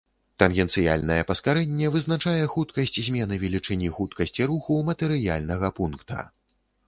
Тангенцыяльнае паскарэнне вызначае хуткасць змены велічыні хуткасці руху матэрыяльнага пункта.